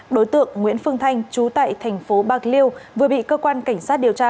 đối tượng nguyễn phương thanh chú tại thành phố bạc liêu vừa bị cơ quan cảnh sát điều tra